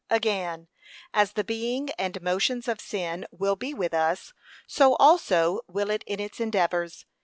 Again, as the being and motions of sin will be with us, so also will it in its endeavours.